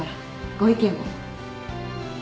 ご意見を。